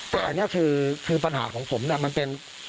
แต่อันนี้คือปัญหาของผมเนี่ยมันเป็น